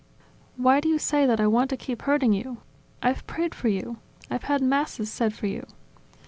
"Why do you say that I want to keep hurting you? ... I've prayed for you! I've had Masses said for you!